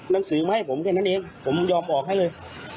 หนังสือมาให้ผมแค่นั้นเองผมยอมออกให้เลย